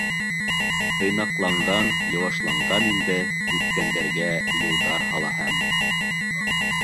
Тыйнаҡланған, йыуашланған инде, Үткәндәргә юлдар һалаһым.